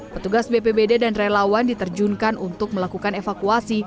petugas bpbd dan relawan diterjunkan untuk melakukan evakuasi